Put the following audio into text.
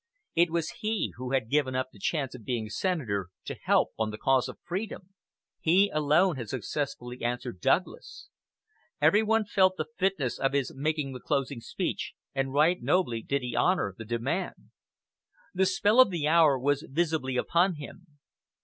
It was he who had given up the chance of being senator to help on the cause of freedom. He alone had successfully answered Douglas. Every one felt the fitness of his making the closing speech and right nobly did he honor the demand. The spell of the hour was visibly upon him.